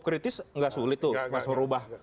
kritis gak sulit tuh harus berubah